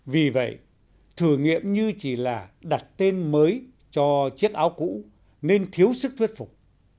vì vậy thử nghiệm như chỉ là đặt tên mới cho chiếc áo cũ nên thiếu sức thuyết phục